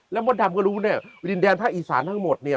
แล้วมดดำก็รู้เนี่ยดินแดนภาคอีสานทั้งหมดเนี่ย